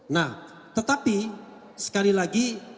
nah tetapi sekali lagi